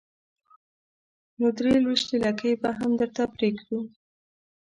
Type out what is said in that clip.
نو درې لوېشتې لکۍ به هم درته پرېږدو.